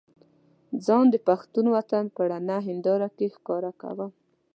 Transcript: ځان د پښتون وطن په رڼه هينداره کې ښکاره کوم.